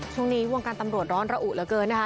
ช่วงนี้วงการตำรวจร้อนระอุเหลือเกินนะคะ